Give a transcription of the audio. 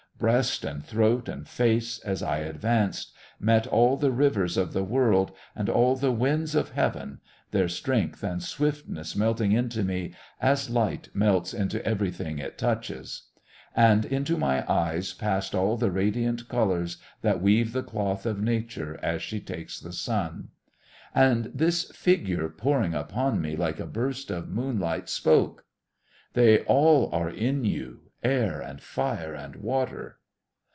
Breast and throat and face, as I advanced, met all the rivers of the world and all the winds of heaven, their strength and swiftness melting into me as light melts into everything it touches. And into my eyes passed all the radiant colours that weave the cloth of Nature as she takes the sun. And this "figure," pouring upon me like a burst of moonlight, spoke: "They all are in you air, and fire, and water...."